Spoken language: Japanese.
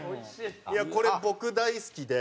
これ僕大好きで。